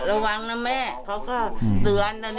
ระวังนะแม่เขาก็เตือน